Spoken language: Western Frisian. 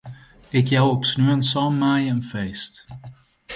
Ik jou op sneon sân maaie in feest.